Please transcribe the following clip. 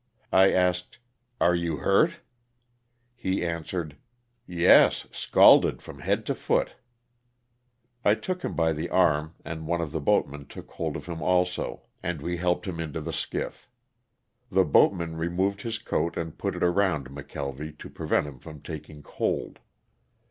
I asked: "Are you hurt?" He answered: " Yes, scalded from head to foot." I took him by the arm and one of the boatmen took hold of him also. 176 LOSS OF THE SULTANA. and we helped him into the skiff. The boatman removed his coat and put it around McKelvy to pre vent him from taking cold.